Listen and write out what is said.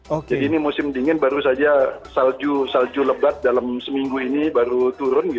jadi ini musim dingin baru saja salju lebat dalam seminggu ini baru turun